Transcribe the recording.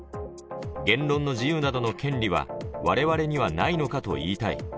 言論の自由などの権利は、われわれにはないのかと言いたい。